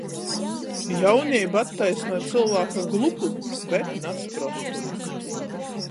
Jauneiba attaisnoj cylvāka glupumu, bet na sprostumu.